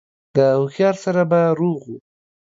د هوښيار سر به روغ و